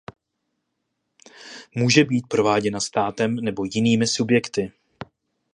Může být prováděna státem nebo jinými subjekty.